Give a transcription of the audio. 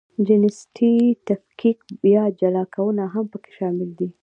جنسیتي تفکیک یا جلاکونه هم پکې شامل دي.